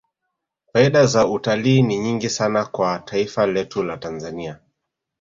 faida za utalii ni nyingi sana kwa taifa letu la tanzania